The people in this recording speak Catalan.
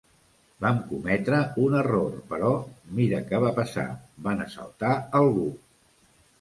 Vam cometre un error, però mirar què va passar: van assaltar algú.